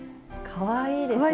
かわいいですか？